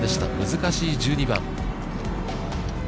難しい１２番。